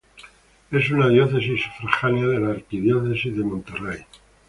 Es una diócesis sufragánea de la Arquidiócesis de Monterrey.